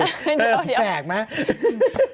แตกไหม